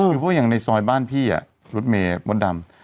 ก็ต้องอย่างในซอยบ้านพี่รุ่นเมฆบทดำ